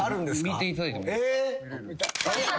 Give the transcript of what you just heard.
見ていただいても。